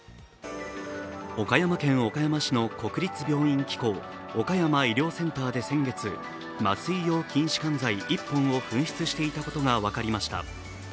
岡山県岡山市の国立病院機構岡山医療センターで先月、麻酔用筋しかん剤１本を紛失していたことが分かりました。